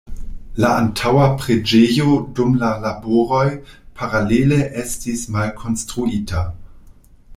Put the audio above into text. La antaŭa preĝejo dum la laboroj paralele estis malkonstruita.